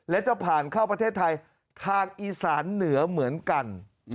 และจะผ่านเข้าประเทศไทยทางอีสานเหนือเหมือนกัน